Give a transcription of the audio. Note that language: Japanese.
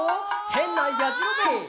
へんなやじろべえ」